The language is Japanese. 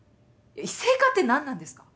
異性化って何なんですか！？